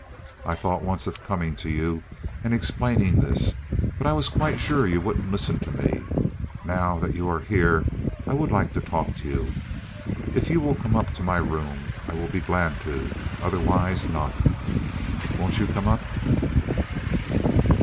I thought once of coming to you and explaining this; but I was quite sure you wouldn't listen to me. Now that you are here I would like to talk to you. If you will come up to my room I will be glad to—otherwise not. Won't you come up?"